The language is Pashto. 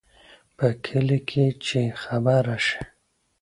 په کلي کې چې خبره شي،